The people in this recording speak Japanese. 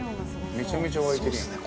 ◆めちゃめちゃ湧いてるやん。